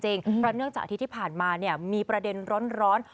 เพราะเนื่องจากอาทิตย์ที่ผ่านมามีประเด็นร้อน